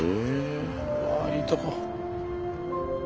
うわいいとこ。